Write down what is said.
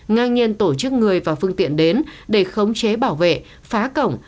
ngang nhiên tổ chức người và phương tiện đến để khống chế bảo vệ phá cổng